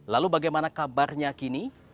lalu bagaimana kabarnya kini